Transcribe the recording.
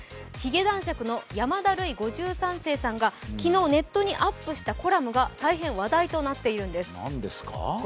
髭男爵の山田ルイ５３世さんが昨日、ネットにアップしたコラムが大変話題となっているんです。